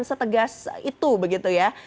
setegas itu begitu ya